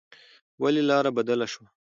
ولې لار بدله شوه؟